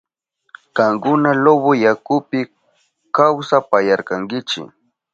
Kankuna Loboyakupi kawsapayarkankichi.